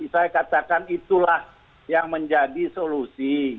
saya katakan itulah yang menjadi solusi